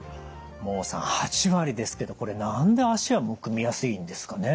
孟さん８割ですけどこれ何で脚はむくみやすいんですかね？